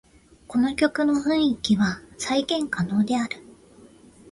この曲の雰囲気は再現可能である